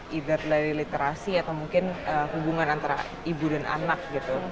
either dari literasi atau mungkin hubungan antara ibu dan anak gitu